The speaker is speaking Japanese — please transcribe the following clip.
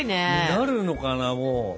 なるのかなもう。